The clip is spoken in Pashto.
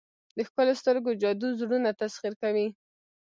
د ښکلو سترګو جادو زړونه تسخیر کوي.